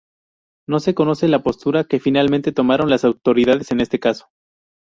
No se conoce la postura que finalmente tomaron las autoridades en este caso.